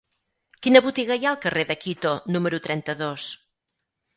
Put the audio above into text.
Quina botiga hi ha al carrer de Quito número trenta-dos?